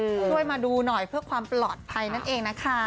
ช่วยมาดูหน่อยเพื่อความปลอดภัยนั่นเองนะคะ